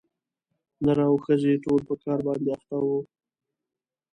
نر او ښځي ټول په کار باندي اخته وه